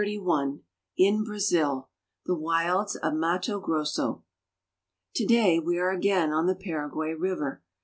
243 XXXI. IN BRAZIL— THE WILDS OF MATTO GROSSO. TO DAY we are again on the Paraguay river.